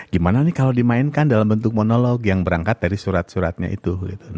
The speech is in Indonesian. gimana nih kalau dimainkan dalam bentuk monolog yang berangkat dari surat suratnya itu